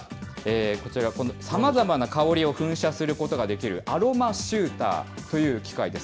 こちら、さまざまな香りを噴射することできるアロマシューターという機械です。